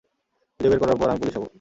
খুঁজে বের করার পর আমি পুলিশ হব।